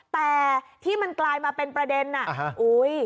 แต่ที่มันกลายมาเป็นประเด็นน่ะอุ้ย